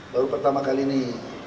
baru pertama kali ini